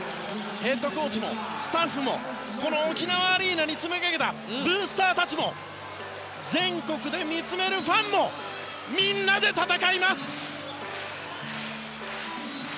ヘッドコーチもスタッフもこの沖縄アリーナに詰めかけたブースターたちも全国で見つめるファンもみんなで戦います！